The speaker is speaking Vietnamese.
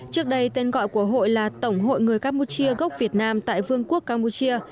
trước đây tên gọi của hội là tổng hội người campuchia gốc việt nam tại vương quốc campuchia